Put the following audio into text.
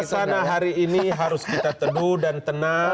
suasana hari ini harus kita teduh dan tenang